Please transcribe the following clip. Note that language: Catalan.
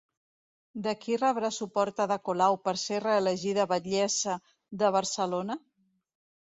De qui rebrà suport Ada Colau per ser reelegida batllessa de Barcelona?